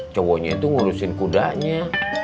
cowoknya itu ngurusin kudanya